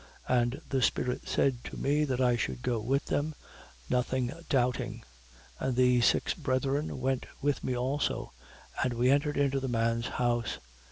11:12. And the Spirit said to me that I should go with them, nothing doubting. And these six brethren went with me also: and we entered into the man's house.